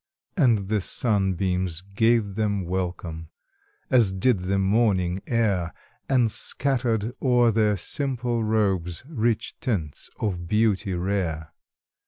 And the sunbeams gave them welcome. As did the morning air And scattered o'er their simple robes Rich tints of beauty rare.